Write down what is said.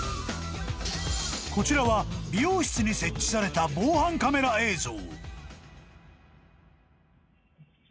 ［こちらは美容室に設置された防犯カメラ映像］